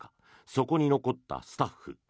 そこに残ったスタッフ。